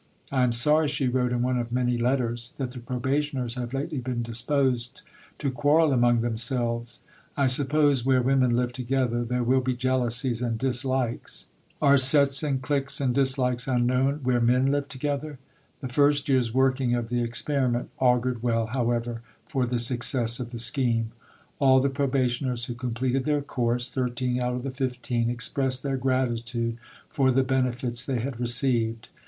"I am sorry," she wrote in one of many letters, "that the Probationers have lately been disposed to quarrel among themselves; I suppose where women live together, there will be jealousies and dislikes." Are sets and cliques and dislikes unknown where men live together? The first year's working of the experiment augured well, however, for the success of the scheme. All the probationers who completed their course (13 out of the 15) expressed their gratitude for the benefits they had received.